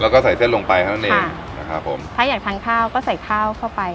แล้วก็ใส่เส้นลงไปค่ะถ้าอยากทานข้าวก็ใส่ข้าวเข้าไป